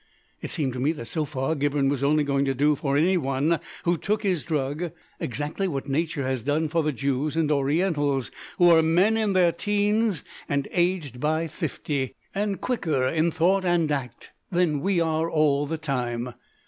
It seemed to me that so far Gibberne was only going to do for any one who took his drug exactly what Nature has done for the Jews and Orientals, who are men in their teens and aged by fifty, and quicker in thought and act than we are all the time.